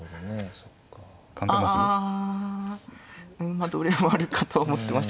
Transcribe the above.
まあどれもあるかと思ってましたけど。